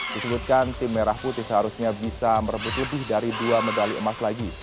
disebutkan tim merah putih seharusnya bisa merebut lebih dari dua medali emas lagi